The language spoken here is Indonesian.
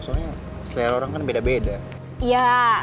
soalnya selera orang kan beda beda